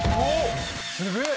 すげえ！